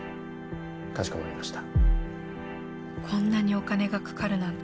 かしこまりました。